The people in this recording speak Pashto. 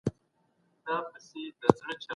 زده کړه وکړه.